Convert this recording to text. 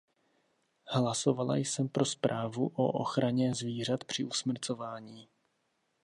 Hlasovala jsem pro zprávu o ochraně zvířat při usmrcování.